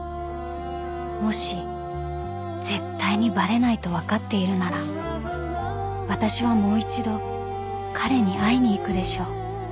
［もし絶対にバレないと分かっているなら私はもう一度彼に会いに行くでしょう］